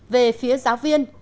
về phía giáo viên